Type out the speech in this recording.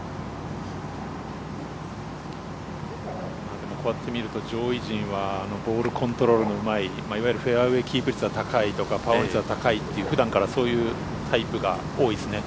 でもこうやって見ると上位陣はボールコントロールのうまいいわゆるフェアウエーキープ率が高いとかパーオン率が高いという普段からそういうタイプが多いですね。